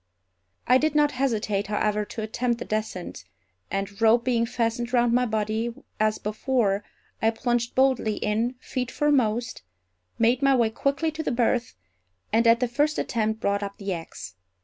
I did not hesitate, however, to attempt the descent; and a rope being fastened round my body as before, I plunged boldly in, feet foremost, made my way quickly to the berth, and at the first attempt brought up the axe.